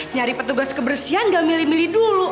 nyari petugas kebersihan gak milih milih dulu